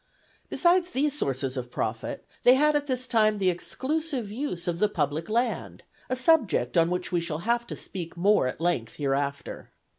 Besides these sources of profit, they had at this time the exclusive use of the public land, a subject on which we shall have to speak more at length hereafter.